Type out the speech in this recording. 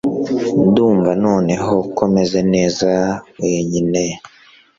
ndumva noneho ko meze neza wenyine